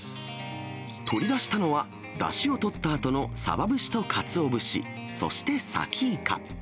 取り出したのは、だしをとったあとのさば節とかつお節、そしてサキイカ。